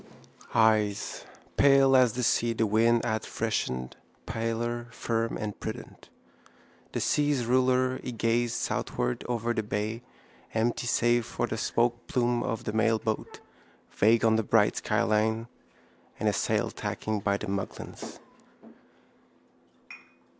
Eyes, pale as the sea the wind had freshened, paler, firm and prudent. The seas' ruler, he gazed southward over the bay, empty save for the smokeplume of the mailboat vague on the bright skyline and a sail tacking by the Muglins.